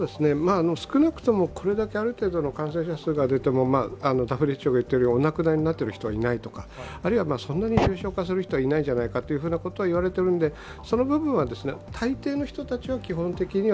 少なくともこれだけある程度の感染者数が出ていても、ＷＨＯが言っているように、お亡くなりになる方がいないとか、そんなに重症化する人はいないんじゃないかと言われているので、その部分は大抵の人たちは基本的には